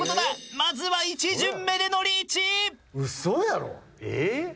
まずは１巡目でのリーチ。